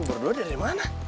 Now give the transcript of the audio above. gue baru baru dari mana